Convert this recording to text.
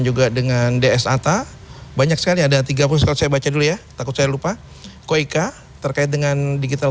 juga dengan dsata banyak sekali ada tiga puluh kalau saya baca dulu ya takut saya lupa koika terkait dengan digital